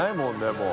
もう。